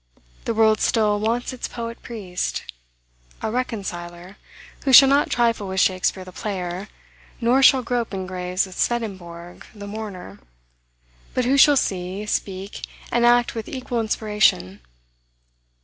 The world still wants its poet priest, a reconciler, who shall not trifle with Shakspeare the player, nor shall grope in graves with Swedenborg the mourner; but who shall see, speak, and act, with equal inspiration.